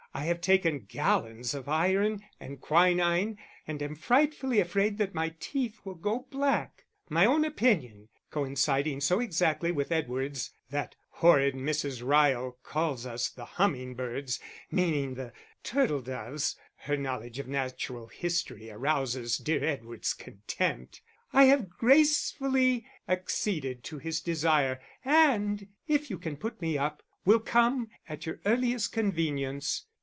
I have taken gallons of iron and quinine, and I'm frightfully afraid that my teeth will go black. My own opinion, coinciding so exactly with Edward's (that horrid Mrs. Ryle calls us the humming birds, meaning the turtledoves, her knowledge of natural history arouses dear Edward's contempt); I have gracefully acceded to his desire, and if you can put me up, will come at your earliest convenience.